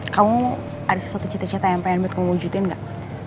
kamu ada sesuatu cita cita yang pengen buat kamu wujudkan nggak